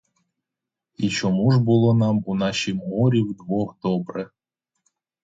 І чому ж було нам у нашім горі вдвох добре?